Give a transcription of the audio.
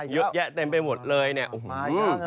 ยึดแยะเต็มไปหมดเลยเนี่ย